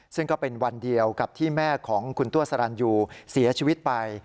ซึ่งก็เป็นวันเดียวกับที่แม่ของคุณตัวสรรยูเสียชีวิตไป